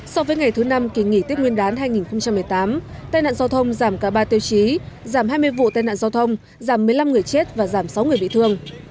so với ngày thứ năm kỳ nghỉ tết nguyên đán hai nghìn một mươi tám tai nạn giao thông giảm cả ba tiêu chí giảm hai mươi vụ tai nạn giao thông giảm một mươi năm người chết và giảm sáu người bị thương